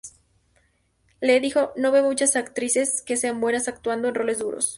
Lee dijo: "No veo muchas actrices que sean buenas actuando en roles duros.